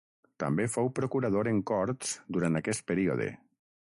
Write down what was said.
També fou procurador en Corts durant aquest període.